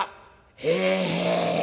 「へえ。